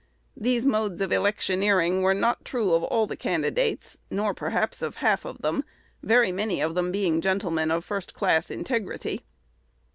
These modes of electioneering were not true of all the candidates, nor perhaps of half of them, very many of them being gentlemen of first class integrity."